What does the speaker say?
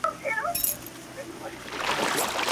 زه به څرنګه د دوی په دام کي لوېږم ..